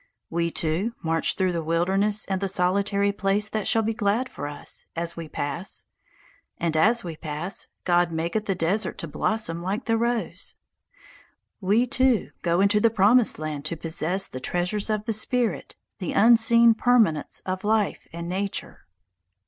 We, too, march through the wilderness and the solitary place that shall be glad for us, and as we pass, God maketh the desert to blossom like the rose. We, too, go in unto the Promised Land to possess the treasures of the spirit, the unseen permanence of life and nature.